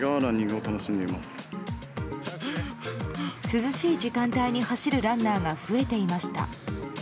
涼しい時間帯に走るランナーが増えていました。